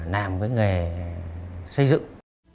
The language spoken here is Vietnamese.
làm cái nghề xây dựng